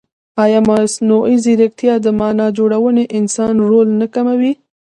ایا مصنوعي ځیرکتیا د معنا جوړونې انساني رول نه کموي؟